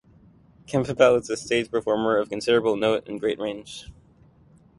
Campbell is stage performer of considerable note and great range.